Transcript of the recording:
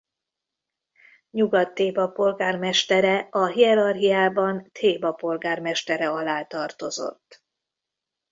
Nyugat-Théba polgármestere a hierarchiában Théba polgármestere alá tartozott.